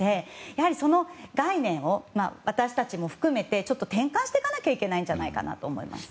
やはり、その概念を私たちも含めて転換していかなきゃいけないんじゃないかなと思います。